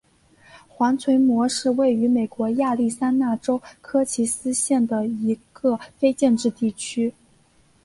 黄锤磨是位于美国亚利桑那州科奇斯县的一个非建制地区。